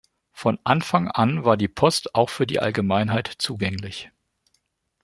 Von Anfang an war die Post auch für die Allgemeinheit zugänglich.